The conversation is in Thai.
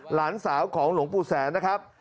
หลานสาวของหลวงปู่แสนนะครับ